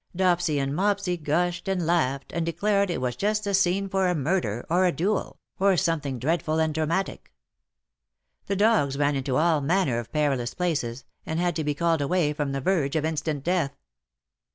Dopsy and Mopsy gushed and laughed and de clared it was just the scene for a murder^ or a duel, or something dreadful and dramatic. The dogs ran into all manner of perilous places, and had to be called away from the verge of instant death.